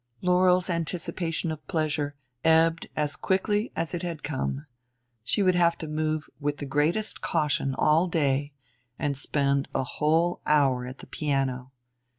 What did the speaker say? Laurel's anticipation of pleasure ebbed as quickly as it had come she would have to move with the greatest caution all day, and spend a whole hour at the piano.